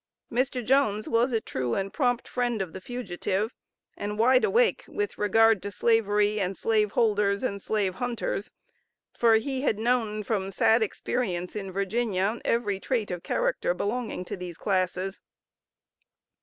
Mr. Jones was a true and prompt friend of the fugitive, and wide awake with regard to Slavery and slave holders, and slave hunters, for he had known from sad experience in Virginia every trait of character belonging to these classes.